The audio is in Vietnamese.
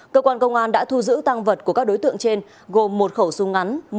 cơ quan công an đã thu giữ tăng vật của các đối tượng trên gồm một khẩu súng ngắn